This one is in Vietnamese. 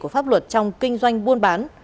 của pháp luật trong kinh doanh buôn bán